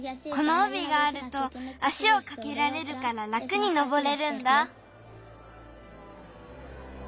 このおびがあると足をかけられるかららくにのぼれるんだ。